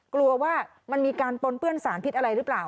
กลัวว่ามันมีการปนเปื้อนสารพิษอะไรหรือเปล่า